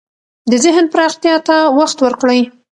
د ذهن پراختیا ته وخت ورکړئ.